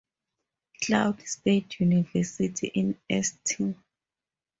Cloud State University in St.